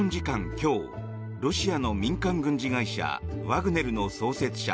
今日、ロシアの民間軍事会社ワグネルの創設者